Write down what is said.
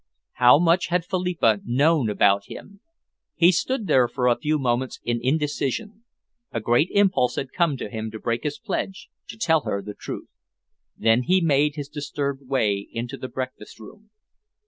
How much had Philippa known about him? He stood there for a few moments in indecision. A great impulse had come to him to break his pledge, to tell her the truth. Then he made his disturbed way into the breakfast room.